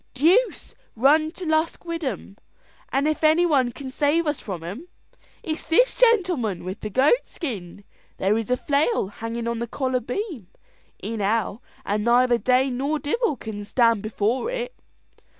Deuce run to Lusk wid 'em! and if any one can save us from 'em, it is this gentleman with the goat skin. There is a flail hangin' on the collar beam, in hell, and neither Dane nor devil can stand before it."